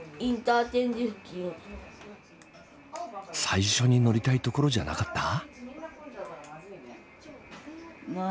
最初に乗りたい所じゃなかった？